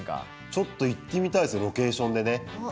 ちょっと行ってみたいですね、ロケーションで。